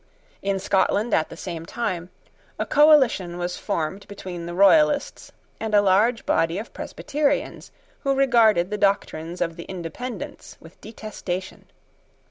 In Scotland at the same time, a coalition was formed between the Royalists and a large body of Presbyterians who regarded the doctrines of the Independents with detestation.